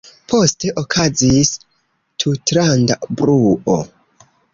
Poste okazis tutlanda bruo.